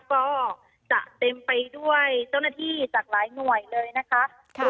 ก็จะเต็มไปด้วยเจ้าหน้าที่จากหลายหน่วยเลยนะคะ